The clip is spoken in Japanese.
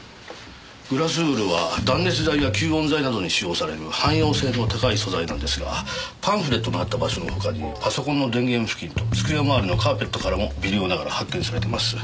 グラスウールは断熱材や吸音材などに使用される汎用性の高い素材なんですがパンフレットのあった場所の他にパソコンの電源付近と机周りのカーペットからも微量ながら発見されてます。